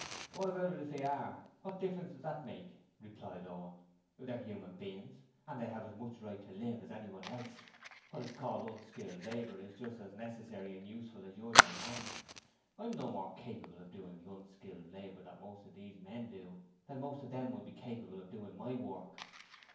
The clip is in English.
'What about it if they are? What difference does that make?' replied Owen. 'They're human beings, and they have as much right to live as anyone else. What is called unskilled labour is just as necessary and useful as yours or mine. I am no more capable of doing the "unskilled" labour that most of these men do than most of them would be capable of doing my work.'